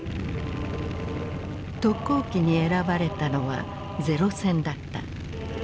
特攻機に選ばれたのは零戦だった。